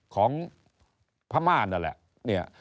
ของพม่านั่นแหละ